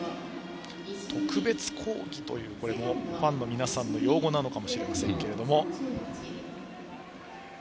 特別講義というのはファンの皆さんの用語なのかもしれませんが。